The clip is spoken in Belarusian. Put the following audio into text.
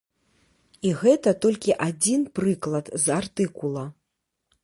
І гэта толькі адзін прыклад з артыкула.